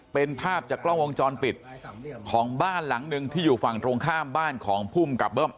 เป็นภาพจากกล้องวงจรปิดของบ้านหลังหนึ่งที่อยู่ฝั่งตรงข้ามบ้านของภูมิกับเบิ้ม